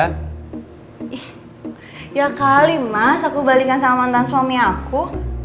ih ya kali mas aku balikan sama mantan suami aku